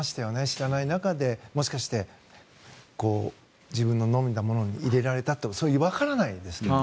知らない中でもしかして自分の飲んだものに入れられたとかわからないですから。